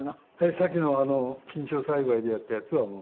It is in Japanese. さっきの菌床栽培でやったやつはもう。